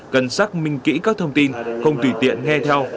cần xác minh kỹ các thông tin không tùy tiện nghe theo